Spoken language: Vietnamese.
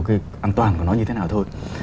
cái an toàn của nó như thế nào thôi